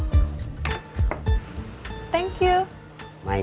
saya janjian sama kang mus ketemuan di sini